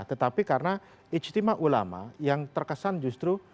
tetapi karena ijtima ulama yang terkesan justru